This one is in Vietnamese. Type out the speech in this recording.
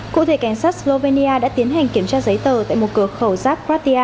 cụ thể cảnh sát slovenia đã tiến hành kiểm tra giấy tờ tại một cửa khẩu rác kratia